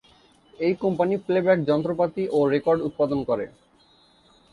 এই company playback যন্ত্রপাতি ও রেকর্ড উৎপাদন করে।